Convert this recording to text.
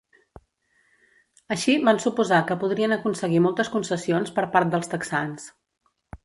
Així, van suposar que podrien aconseguir moltes concessions per part dels texans.